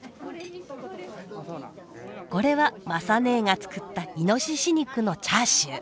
これは雅ねえが作ったイノシシ肉のチャーシュー。